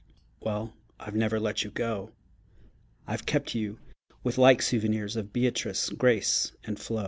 Well I've never let you go: I've kept you with like souvenirs Of Beatrice, Grace and Flo.